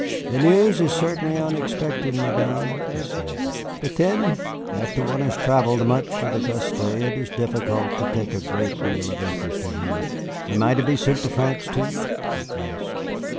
"The news is certainly unexpected, Madame," he said. "But then, after one has travelled much with Auguste it is difficult to take a great deal of interest in him. Am I to be sent to France, too?" he asked.